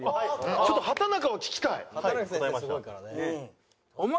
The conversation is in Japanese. ちょっと畠中は聞きたい。